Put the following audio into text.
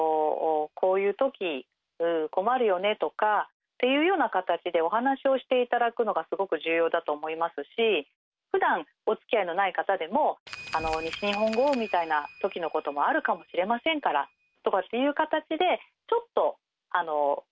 「こういう時困るよね」とかっていうような形でお話をして頂くのがすごく重要だと思いますしふだんおつきあいのない方でも「西日本豪雨みたいな時のこともあるかもしれませんから」とかっていう形でちょっと距離を詰めてく。